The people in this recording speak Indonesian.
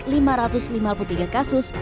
jawa tengah naik lima ratus lima puluh tiga kasus